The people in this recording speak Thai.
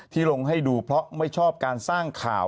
ลงให้ดูเพราะไม่ชอบการสร้างข่าว